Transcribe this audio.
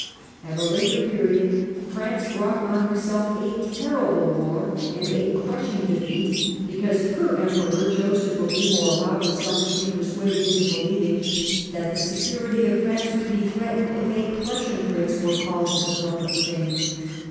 At a later period France brought on herself a terrible war and a crushing defeat because her Emperor chose 430 A. HISTORY OF OUR OWN TIMES. ch. xyh. to believe, or allowed himself to be persuaded into believing, tbat tbe security of France would be threatened if a Prussian prince were called to the throne of Spain.